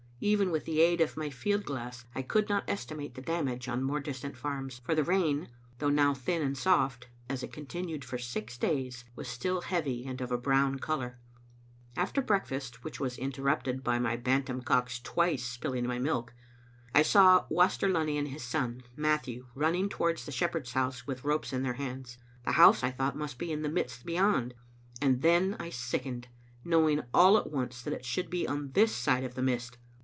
Even with the aid of my field glass I could not esti mate the damage on more distant farms, for the rain, though now thin and soft, as it continued for six days, was still heavy and of a brown color. After break fast — which was interrupted by my bantam cock's twice spilling my milk — I saw Waster Lunny and his son, Matthew, running towards the shepherd's house with ropes in their hands. The house, I thought, must be in the midst beyond; and then I sickened, knowing all at once that it should be on this side of the mist.